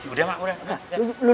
udah mak udah